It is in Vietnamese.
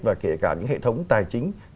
và kể cả những hệ thống tài chính